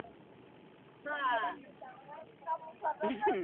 mshikilizaji tuanze makala haya kwa kusikiliza maana ya maendeleo endelevu